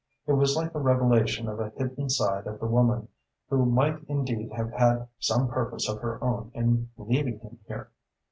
It was like a revelation of a hidden side of the woman, who might indeed have had some purpose of her own in leaving him here.